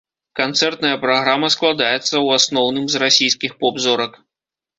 Канцэртная праграма складаецца, у асноўным, з расійскіх поп-зорак.